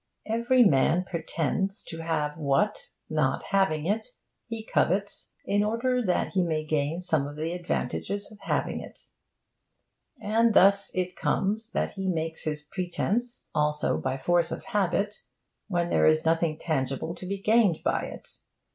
Every man pretends to have what (not having it) he covets, in order that he may gain some of the advantages of having it. And thus it comes that he makes his pretence, also, by force of habit, when there is nothing tangible to be gained by it.